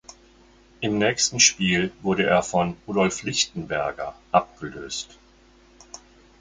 Im nächsten Spiel wurde er von "Rudolf Lichtenberger" abgelöst.